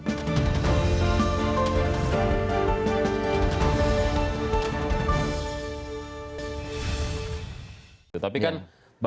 tapi pak jokowi kalau tidak salah